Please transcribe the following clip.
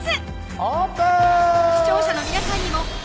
オープン！